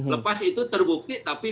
lepas itu terbukti tapi